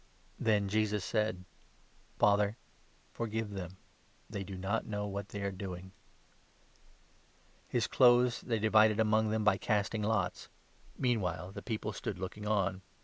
LUKE, 23. 159 [Then Jesus said : 34 1 ' Father, forgive them ; they do not know what they are doing."] His clothes they divided among them by casting lots. Mean 35 while the people stood looking on.